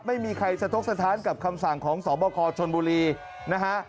ไม่มีใครสะทกสะท้านกับคำสั่งของสบคชนบุรีนะฮะ